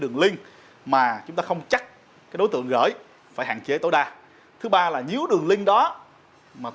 đường link mà chúng ta không chắc cái đối tượng gửi phải hạn chế tối đa thứ ba là nếu đường link đó mà